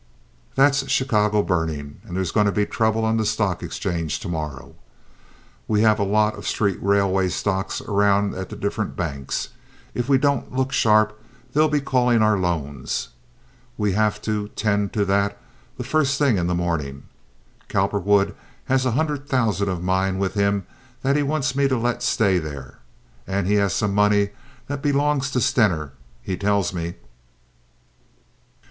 "That's Chicago burnin', and there's goin' to be trouble on the stock exchange to morrow. We have a lot of our street railway stocks around at the different banks. If we don't look sharp they'll be callin' our loans. We have to 'tend to that the first thing in the mornin'. Cowperwood has a hundred thousand of mine with him that he wants me to let stay there, and he has some money that belongs to Stener, he tells me."